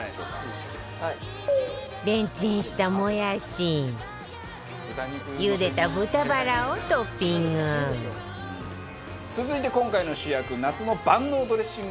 レンチンしたもやしゆでた豚バラをトッピング続いて今回の主役夏の万能ドレッシングを作ります。